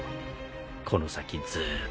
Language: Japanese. この先ずーっとね。